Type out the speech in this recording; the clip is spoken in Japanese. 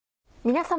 皆様。